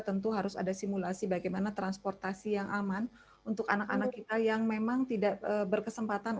tentu harus ada simulasi bagaimana transportasi yang aman untuk anak anak kita yang memang tidak berkesempatan